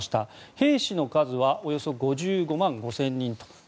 兵士の数はおよそ５５万５０００人。